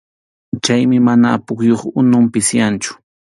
Chaymi mana pukyup unun pisiyanchu.